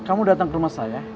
kamu datang ke rumah saya